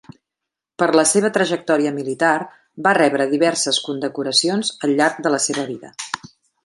Per la seva trajectòria militar va rebre diverses condecoracions al llarg de la seva vida.